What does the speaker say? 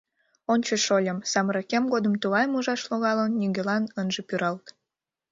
Ончо, шольым, самырыкем годым тугайым ужаш логалын — нигӧлан ынже пӱралт!